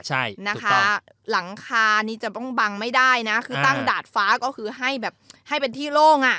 ใช่นะคะหลังคานี่จะต้องบังไม่ได้นะคือตั้งดาดฟ้าก็คือให้แบบให้เป็นที่โล่งอ่ะ